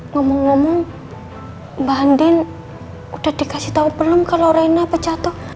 ngomong ngomong mbak andin udah dikasih tau belum kalau rena apa jatuh